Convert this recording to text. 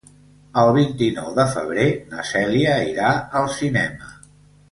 El vint-i-nou de febrer na Cèlia irà al cinema.